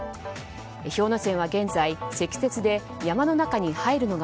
氷ノ山は現在積雪で山の中に入るのが